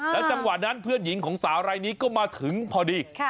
จังหวะนั้นเพื่อนหญิงของสาวรายนี้ก็มาถึงพอดี